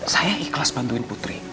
saya ikhlas bantuin putri